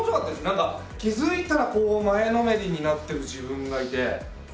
何か気付いたら前のめりになってる自分がいて。